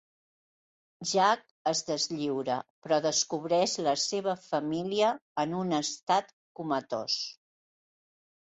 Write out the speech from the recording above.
Jack es deslliura, però descobreix la seva família en un estat comatós.